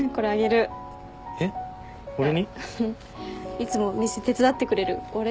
いつも店手伝ってくれるお礼。